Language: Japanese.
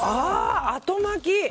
あと巻き。